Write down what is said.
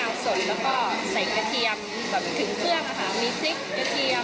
มีพริกกระเทียมมะนาว